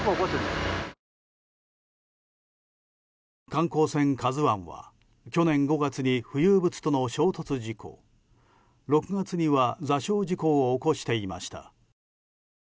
観光船「ＫＡＺＵ１」は去年５月に浮遊物との衝突事故６月には座礁事故を起こしていました。